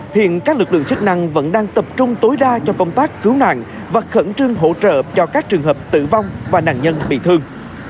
hiện các lực lượng chức năng vẫn đang tập trung tối đa cho công tác cứu nạn và khẩn trương hỗ trợ cho các trường hợp tử vong và nạn nhân bị thương